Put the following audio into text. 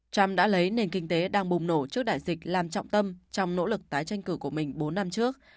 trump đã lấy nền kinh tế đang bùng nổ trước đại dịch làm trọng tâm trong nỗ lực tái tranh cử của mình bốn năm trước